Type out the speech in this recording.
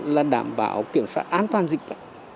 là đảm bảo kiểm soát an toàn dịch bệnh